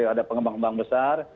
ada pengembang pengembang besar